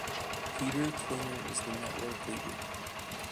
Peter Klenner is the Network Leader.